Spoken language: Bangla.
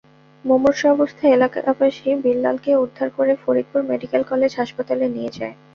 মুমূর্ষু অবস্থায় এলাকাবাসী বিল্লালকে উদ্ধার করে ফরিদপুর মেডিকেল কলেজ হাসপাতালে নিয়ে যায়।